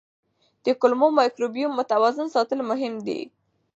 د کولمو مایکروبیوم متوازن ساتل مهم دي.